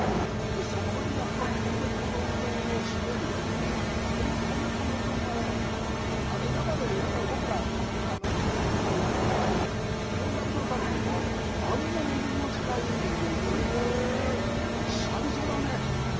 そこに、やっぱり米粉のうどんをシメに、この米粉のうどんがね、今まで僕ら、なんて言ったらいいんだろう、いろんなうどんを食べてるけど、あんなのどごしがいいうどんって、久々だね。